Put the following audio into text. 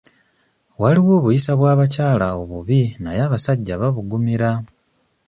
Waliwo obuyisa bw'abakyala obubi naye abasajja babugumira.